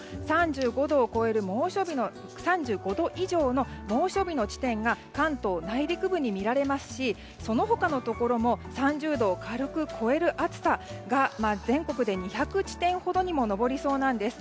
最高気温ですが３５度以上の猛暑日の地点が関東内陸部に見られますしその他のところも３０度を軽く超える暑さが全国で２００地点ほどにも上りそうなんです。